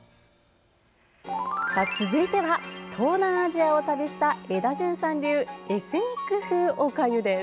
続いては、東南アジアを旅したエダジュンさん流エスニック風おかゆです。